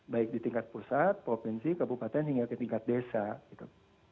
baik di tingkat pusat provinsi kabupaten hingga ke tingkat desa gitu